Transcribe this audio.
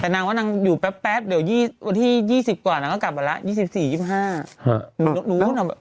แต่นางว่านางอยู่แป๊บแป๊บเดี๋ยววันที่ยี่สิบกว่านางก็กลับมาแล้วยี่สิบสี่ยี่สิบห้า